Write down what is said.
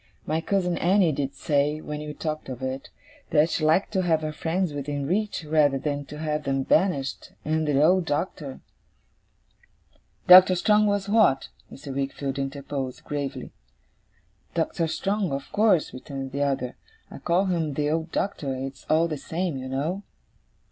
My cousin Annie did say, when we talked of it, that she liked to have her friends within reach rather than to have them banished, and the old Doctor ' 'Doctor Strong, was that?' Mr. Wickfield interposed, gravely. 'Doctor Strong, of course,' returned the other; 'I call him the old Doctor; it's all the same, you know.